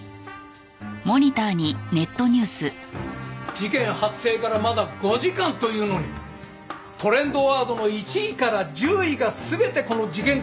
事件発生からまだ５時間というのにトレンドワードの１位から１０位が全てこの事件関連だ。